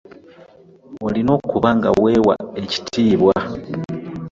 Olina okuba nga weewa ekitiibwa.